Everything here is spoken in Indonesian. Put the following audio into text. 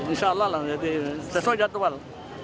insya allah lah jadi sesuai jadwal